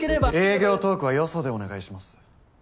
営業トークはよそでお願いします。